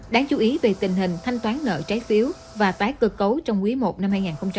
đáng chú ý về tình hình thanh toán nợ trái phiếu và tái cơ cấu trong quý i năm hai nghìn hai mươi